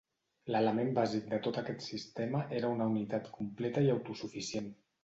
L’element bàsic de tot aquest sistema era una unitat completa i autosuficient.